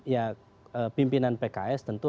ya pimpinan pks tentu